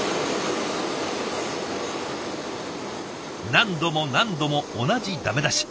何度も何度も同じダメ出し。